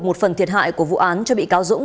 một phần thiệt hại của vụ án cho bị cáo dũng